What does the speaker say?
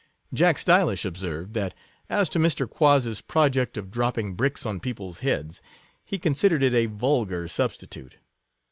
Jack Stylish observed, that, as to Mr. Quoz's project of dropping bricks on people's heads, he considered it a vulgar substitute.